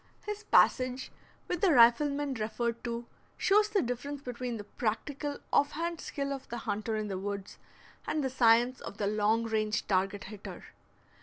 His passage with the rifleman referred to shows the difference between the practical off hand skill of the hunter in the woods and the science of the long range target hitter.